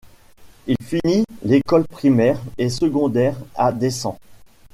Il finit l'école primaire et secondaire à Deçan.